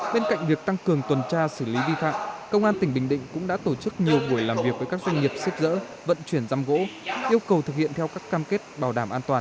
bên cạnh việc tăng cường tuần tra xử lý vi phạm công an tỉnh bình định cũng đã tổ chức nhiều buổi làm việc với các doanh nghiệp xếp dỡ vận chuyển giam gỗ yêu cầu thực hiện theo các cam kết bảo đảm an toàn